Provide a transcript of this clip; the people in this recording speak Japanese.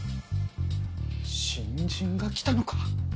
新人が来たのか？